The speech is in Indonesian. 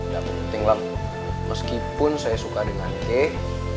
gak penting lam meskipun saya suka dengan kay